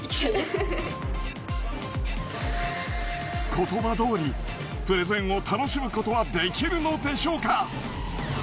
言葉どおりプレゼンを楽しむことはできるのでしょうか？